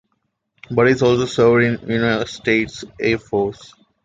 Burris also served in the United States Air Force.